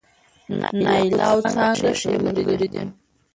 نايله او څانګه ښې ملګرې دي